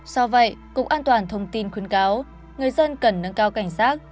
do vậy cục an toàn thông tin khuyến cáo người dân cần nâng cao cảnh sát